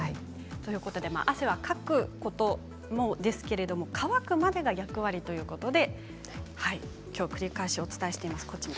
汗はかくこともですけれども乾くまでが役割ということで繰り返しお伝えしています。